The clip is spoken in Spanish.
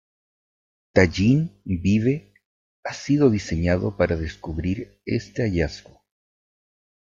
Tajín Vive ha sido diseñado para descubrir este hallazgo.